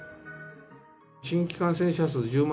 新規感染者数１０万